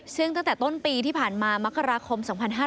ซึ่งตั้งแต่ต้นปีที่ผ่านมามกราคม๒๕๕๙